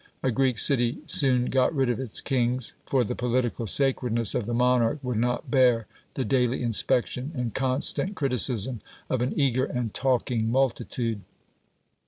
A Greek city soon got rid of its kings, for the political sacredness of the monarch would not bear the daily inspection and constant criticism of an eager and talking multitude.